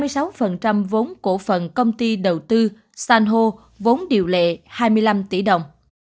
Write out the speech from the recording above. công ty cổ phần đầu tư sanho vốn điều lệ hai mươi năm tỷ đồng